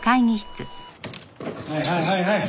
はいはいはいはい。